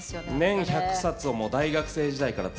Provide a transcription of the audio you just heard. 年１００冊をもう大学生時代からずっと。